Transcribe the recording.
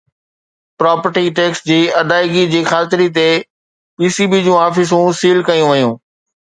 property tax جي ادائگي جي خاطري تي پي سي بي جون آفيسون سيل ڪيون ويون